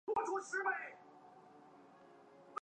推迟时间的概念意味着电磁波的传播不是瞬时的。